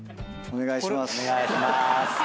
お願いしまーす。